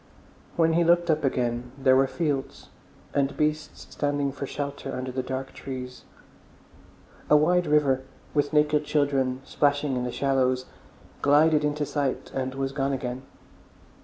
When he looked up again there were fields, and beasts standing for shelter under the dark trees. A wide river, with naked children splashing in the shallows, glided into sight and was gone again.